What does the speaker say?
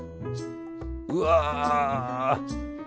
うわ！